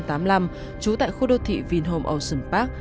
trú tại khu đô thị vinhome ocean park